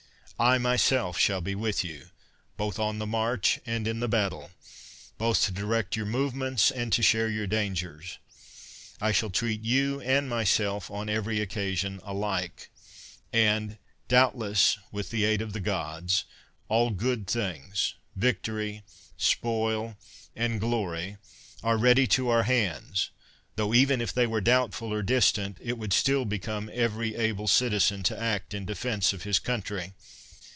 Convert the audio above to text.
I myself shall be with you, both on the march and in the battle; both to direct your movements and to share your dangers. I shall treat you and myself on every occasion alike; and, doubtless, with the aid of the gods, all good things, victory, spoil, and glory, are ready to our hands, tho, even if tiiey were doubtful or distant, it would still become every able citizen to act in defense of his country.